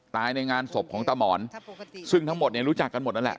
ในงานศพของตาหมอนซึ่งทั้งหมดเนี่ยรู้จักกันหมดนั่นแหละ